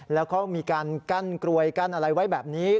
แล้วก็มีการกั้นกลวยกั้นอะไรไว้แบบนี้